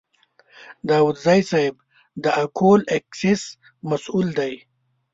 داوودزی صیب د اکول اکسیس مسوول دی.